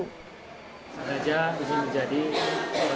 ini menjadi kebanggaan semua